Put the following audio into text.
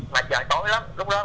mà trời tối lắm